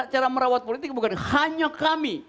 cara merawat politik bukan hanya kami